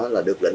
là được lệnh